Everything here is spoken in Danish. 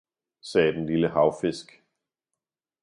sagde den lille havfisk.